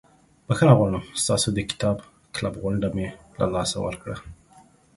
بخښنه غواړم ستاسو د کتاب کلب غونډه مې له لاسه ورکړه.